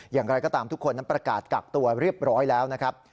อย่างไรก็ตามทุกคนนั้นประกาศกักตัวเรียบร้อยแล้วนะครับ